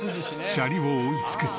シャリを覆い尽くす